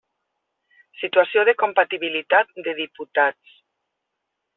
Situació de compatibilitat de diputats.